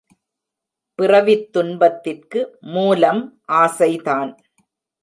பிறவித் துன்பத்திற்கு மூலம் ஆசைதான்.